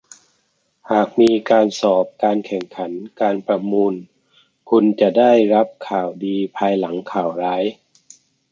หากมีการสอบ การแข่งขัน การประมูล คุณจะได้รับข่าวดีภายหลังข่าวร้าย